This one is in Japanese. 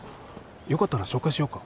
よかったら紹介しようか？